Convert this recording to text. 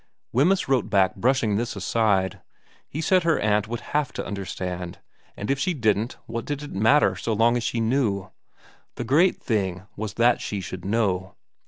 Wemyss wrote back brushing this aside. He said her aunt would have to understand, and if she didn't vm VERA 86 what did it matter so long as she knew ? The great thing was that she should know.